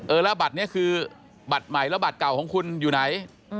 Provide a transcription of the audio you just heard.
แล้วบัตรนี้คือบัตรใหม่แล้วบัตรเก่าของคุณอยู่ไหน